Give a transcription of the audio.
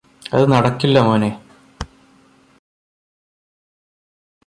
അത് നടക്കില്ല മോനേ